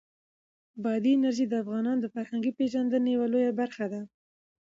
بادي انرژي د افغانانو د فرهنګي پیژندنې یوه لویه برخه ده.